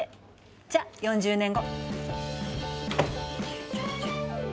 じゃ４０年後！